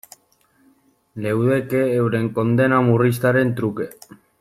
Leudeke euren kondena murriztearen truke.